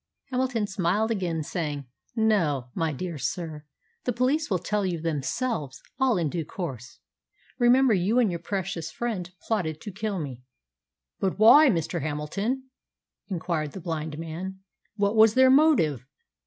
Hamilton smiled again, saying, "No, my dear sir, the police will tell you themselves all in due course. Remember, you and your precious friend plotted to kill me." "But why, Mr. Hamilton?" inquired the blind man. "What was their motive?"